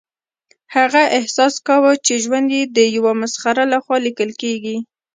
هغه احساس کاوه چې ژوند یې د یو مسخره لخوا لیکل کیږي